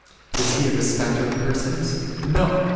Is He a respecter of per sons ? No